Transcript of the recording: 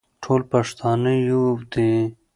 ټول پښتانه يو دي.